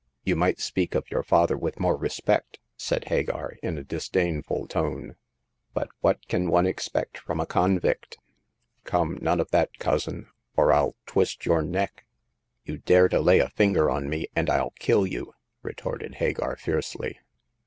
" You might speak of your father with more respect !" said Hagar, in a disdainful tone ;but what can one expect from a convict ?"" Come, none of that, cousin, or I'll twist your neck." The Passing of Hagar. 277 You dare to lay a finger on me, and FU kill you !" retorted Hagar, fiercely.